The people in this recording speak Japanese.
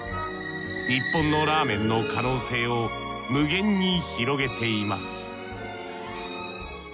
日本のラーメンの可能性を無限に広げています